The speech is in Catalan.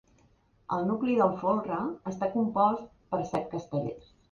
El nucli del folre està compost per set castellers.